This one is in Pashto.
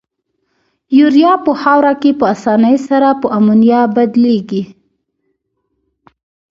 یوریا په خاوره کې په آساني سره په امونیا بدلیږي.